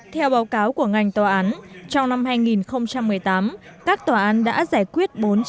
theo báo cáo của ngành tòa án trong năm hai nghìn một mươi tám các tòa án đã giải quyết bốn trăm chín mươi chín một mươi ba